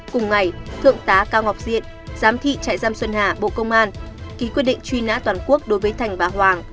cùng ngày thượng tá cao ngọc diện giám thị trại giam xuân hà bộ công an ký quyết định truy nã toàn quốc đối với thành và hoàng